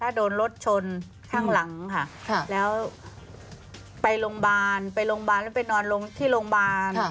ถ้าโดนรถชนข้างหลังค่ะแล้วไปโรงพยาบาลไปโรงพยาบาลแล้วไปนอนที่โรงพยาบาล